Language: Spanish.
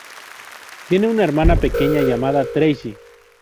Tiene una hermana pequeña llamada Tracy.